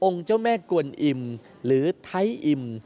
องค์เจ้าแม่กวนอิมหรือไท้อิม